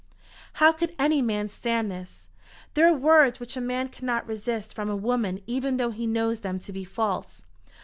How could any man stand this? There are words which a man cannot resist from a woman even though he knows them to be false.